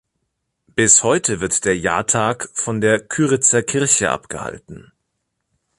Bis heute wird der Jahrtag von der Kyritzer Kirche abgehalten.